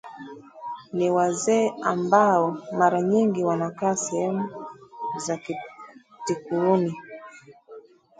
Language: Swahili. Ni wazee ambao mara nyingi wanakaa sehemu za Tikuuni